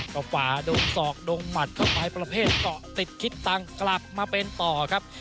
กระป๋าดมสอกดมัดกระป๋ายประเภทเกาะติดคลิตตังค์กลับมาเป็นต่อครับ